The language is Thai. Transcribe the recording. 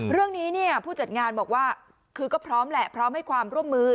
เรื่องนี้เนี่ยผู้จัดงานบอกว่าคือก็พร้อมแหละพร้อมให้ความร่วมมือ